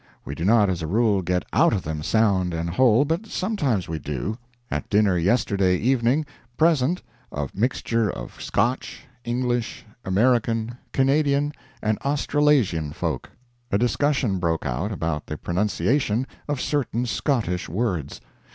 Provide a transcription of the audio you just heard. We do not as a rule get out of them sound and whole, but sometimes we do. At dinner yesterday evening present, a mixture of Scotch, English, American, Canadian, and Australasian folk a discussion broke out about the pronunciation of certain Scottish words.